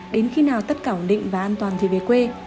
đến khi nào tất cả ổn định và an toàn thì về quê